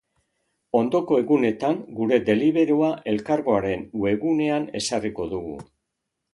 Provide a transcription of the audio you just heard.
Ondoko egunetan gure deliberoa Elkargoaren webgunean ezarriko dugu.